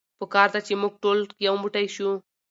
په کار ده چې مونږ ټول يو موټی شو.